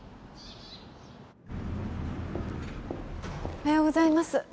おはようございます。